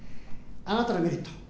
あなたのメリット